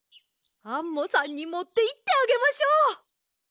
アンモさんにもっていってあげましょう。